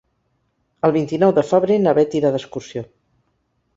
El vint-i-nou de febrer na Beth irà d'excursió.